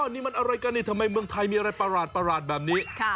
นี่มันอะไรกันนี่ทำไมเมืองไทยมีอะไรประหลาดแบบนี้